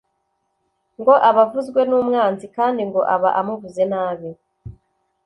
ngo aba avuzwe n’umwanzi kandi ngo aba amuvuze nabi